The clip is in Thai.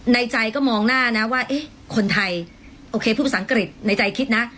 ในใจก็มองหน้านะว่าเอ๊ะคนไทยโอเคพูดภาษาอังกฤษในใจคิดนะ